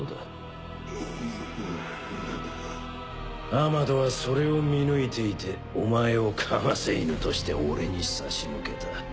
アマドはそれを見抜いていてお前をかませ犬として俺に差し向けた。